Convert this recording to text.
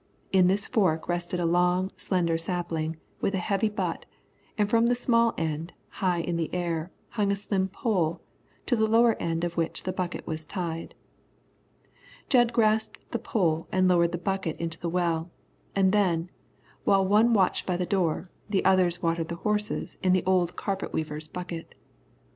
In this fork rested a long, slender sapling with a heavy butt, and from the small end, high in the air, hung a slim pole, to the lower end of which the bucket was tied. Jud grasped the pole and lowered the bucket into the well, and then, while one watched by the door, the others watered the horses in the old carpet weaver's bucket.